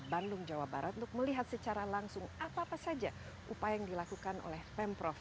bandung jawa barat untuk melihat secara langsung apa apa saja upaya yang dilakukan oleh pemprov